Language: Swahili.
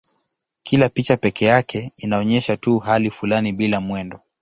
Kila picha pekee yake inaonyesha tu hali fulani bila mwendo.